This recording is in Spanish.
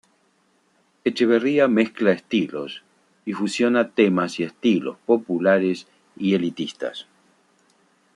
Echeverría mezcla estilos, y fusiona temas y estilos populares y elitistas.